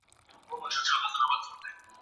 باور د اړيکو بنسټ دی.